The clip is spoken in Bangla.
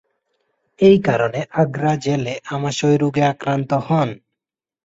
এই কারনে আগ্রা জেলে আমাশয় রোগে আক্রান্ত হন।